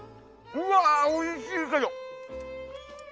うわ、おいしいけど。